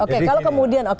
oke kalau kemudian